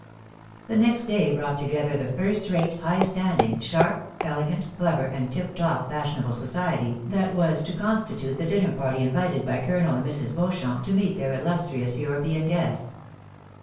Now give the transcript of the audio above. The next day brought together the first rate, high standing, sharp, elegant, clever, and tip top fashionable society that was to constitute the dinner party invited by Colonel and Mrs. Beau champ, to meet their illustrious European guest.